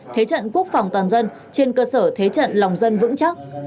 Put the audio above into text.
thế trận quốc phòng toàn dân trên cơ sở thế trận lòng dân vững chắc